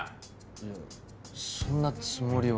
いやそんなつもりは。